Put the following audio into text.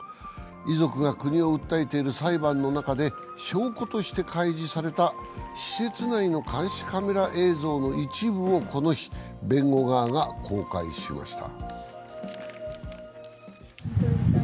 遺族が国を訴えている裁判の中で、証拠として開示された施設内の監視カメラ映像の一部をこの日、弁護側が公開しました。